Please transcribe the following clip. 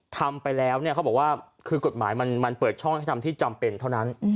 ทำไปแล้วเนี่ยเขาบอกว่าคือกฎหมายมันเปิดช่องให้ทำที่จำเป็นเท่านั้น